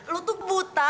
lo tuh buta